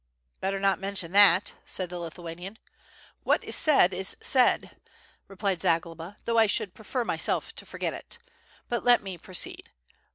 "Better not mention that," said the Lithuanian. "What is said is said," replied Zagloba, "though I should prefer myself to forget it. But let me proceed.